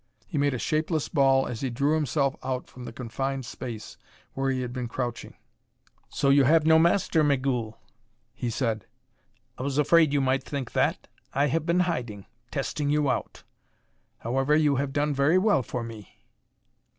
He made a shapeless ball as he drew himself out from the confined space where he had been crouching. "So you have no master, Migul?" he said. "I was afraid you might think that. I have been hiding testing you out. However, you have done very well for me."